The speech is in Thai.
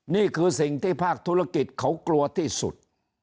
นี่คือสิ่งที่ภาคธุรกิจเขากลัวที่สุด